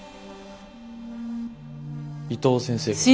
伊藤先生が。